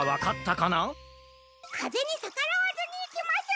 かぜにさからわずにいきます！